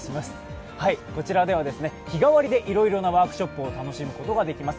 こちらでは日替わりでいろいろなワークショップを楽しむことができます。